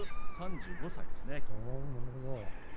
３５歳です。